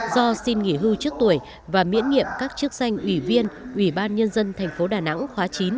do xin nghỉ hưu trước tuổi và miễn nhiệm các chức danh ủy viên ủy ban nhân dân tp đà nẵng khóa chín